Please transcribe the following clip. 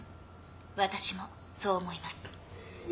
私もそう思います。